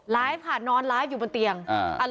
แล้วอันนี้ก็เปิดแล้ว